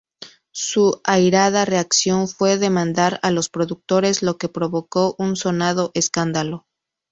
Su airada reacción fue demandar a los productores, lo que provocó un sonado escándalo.